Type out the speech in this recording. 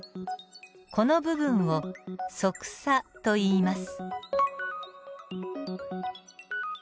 この部分を側鎖といいます。